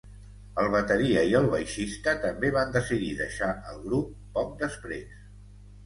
El bateria i el baixista també van decidir deixar el grup, poc després.